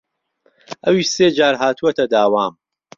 ئەویش سێ جار هاتووەتە داوام